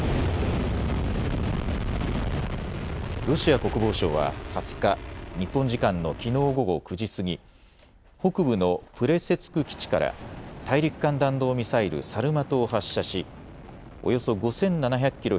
ロシア国防省は２０日、日本時間のきのう午後９時過ぎ、北部のプレセツク基地から大陸間弾道ミサイルサルマトを発射しおよそ５７００キロ